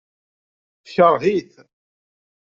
Tekṛeh-it.